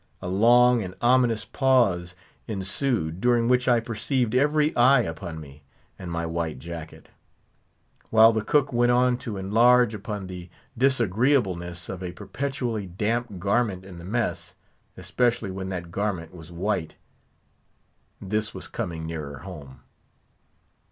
A long and ominous pause ensued; during which I perceived every eye upon me, and my white jacket; while the cook went on to enlarge upon the disagreeableness of a perpetually damp garment in the mess, especially when that garment was white. This was coming nearer home.